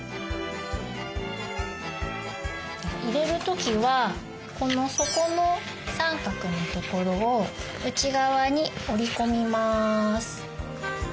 入れる時はこの底の三角のところを内側に折り込みます。